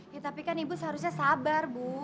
ya tapi kan ibu seharusnya sabar bu